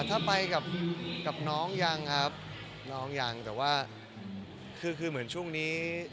ถ้าไปกับน้องยังครับน้องยังแต่ว่าคือคือเหมือนช่วงนี้